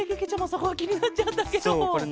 そこがきになっちゃったケロ。